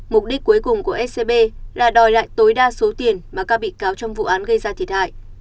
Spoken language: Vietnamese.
mục đích cuối cùng của scb là đòi lại tối đa số tiền mà các bị cáo trong vụ án gây ra thiệt hại